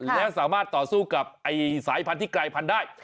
แล้วสามารถต่อสู้กับสายพันธุ์ที่กลายพันธุ์ได้